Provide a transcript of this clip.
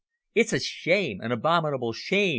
"It's a shame an abominable shame!"